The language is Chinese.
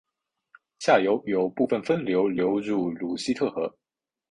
下游有部分分流流入鲁希特河。